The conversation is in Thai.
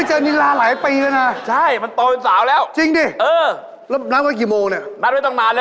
โอ๊ยหลานสาวน้าก็คงจะหน้าเหมือนน้าล่ะ